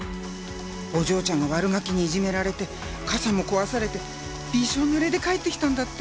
お嬢ちゃんが悪ガキにいじめられて傘も壊されてびしょ濡れで帰って来たんだって。